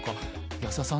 安田さん